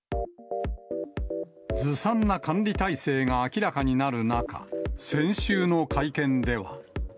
ずさんな管理体制が明らかになる中、先週の会見では。